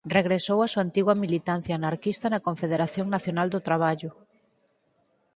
Regresou á súa antiga militancia anarquista na Confederación Nacional do Traballo.